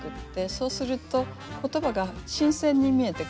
そうすると言葉が新鮮に見えてくるんです。